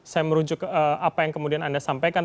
saya merujuk apa yang kemudian anda sampaikan